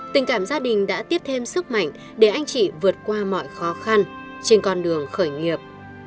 tình cảm gia đình đã tiếp thêm sức mạnh để anh chị vượt qua mọi khó khăn trên con đường khởi nghiệp